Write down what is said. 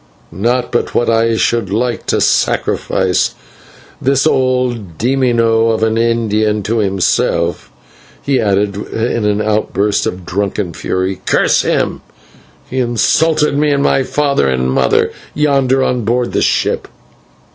Not but what I should like to sacrifice this old /demonio/ of an Indian to himself," he added, in an outburst of drunken fury. "Curse him! he insulted me and my father and mother, yonder on board the ship."